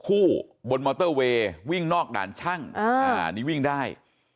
คู่บนมอเตอร์เวย์วิ่งนอกด่านช่างนี่วิ่งได้